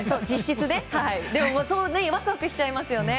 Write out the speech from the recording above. ワクワクしちゃいますよね。